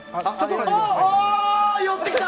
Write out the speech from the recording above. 寄ってきた！